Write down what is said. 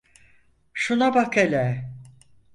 Şuna bak hele!